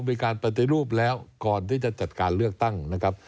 มีการปฏิรูปแล้วก่อนที่จะจัดการเลือกตั้งนะครับ